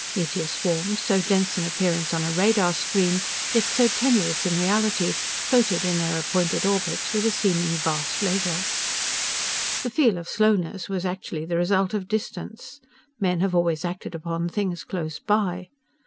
Meteor swarms, so dense in appearance on a radar screen, yet so tenuous in reality, floated in their appointed orbits with a seeming vast leisure. The feel of slowness was actually the result of distance. Men have always acted upon things close by.